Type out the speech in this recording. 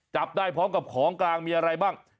จับได้พร้อมกับของกลางมีอะไรบ้าง